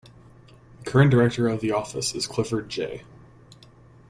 The current Director of the Office is Clifford J.